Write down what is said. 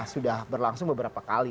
sudah berlangsung beberapa kali